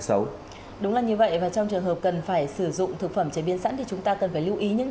xin chân chào các bạn